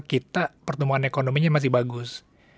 kita pertumbuhan ekonominya masih bagus